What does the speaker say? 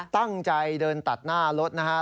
ตั้งใจเดินตัดหน้ารถนะฮะ